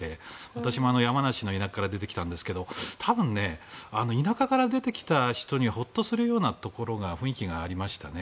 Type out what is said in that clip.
私も山梨の田舎から出てきたんですが多分、田舎から出てきた人がホッとするような雰囲気がありましたね。